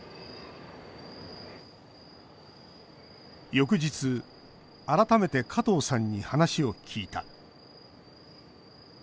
翌日、改めて加藤さんに話を聞いた。